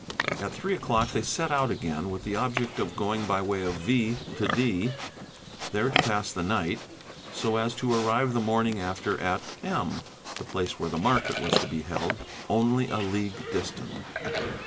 At three o'clock they set out again with the object of going by way of V. to D. there to pass the night, so as to arrive the morning after at M. the place where the market was to be held, only a league distant.